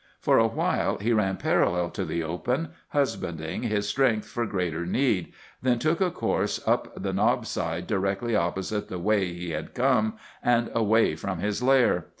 For a while he ran parallel to the open, husbanding his strength for greater need, then took a course up the knob side directly opposite the way he had come and away from his lair.